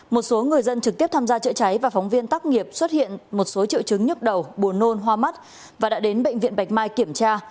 một số người dân trực tiếp tham gia chữa cháy và phóng viên tác nghiệp xuất hiện một số triệu chứng nhức đầu buồn nôn hoa mắt và đã đến bệnh viện bạch mai kiểm tra